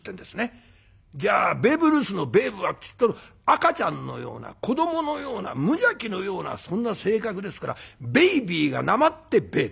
じゃあベーブ・ルースの「ベーブ」はっていったら赤ちゃんのような子どものような無邪気のようなそんな性格ですから「ベイビー」がなまって「ベーブ」。